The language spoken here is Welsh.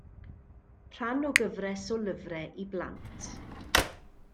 Rhan o gyfres o lyfrau i blant.